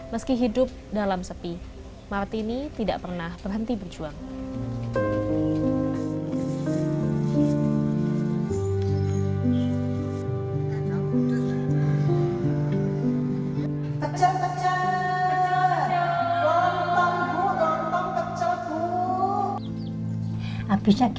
meski hidup dalam sepi martini tidak pernah berhenti berjuang